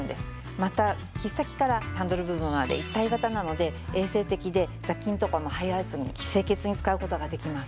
また切っ先からハンドル部分まで一体型なので衛生的で雑菌とかも入らずに清潔に使う事ができます。